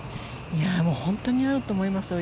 本当にあると思いますよ。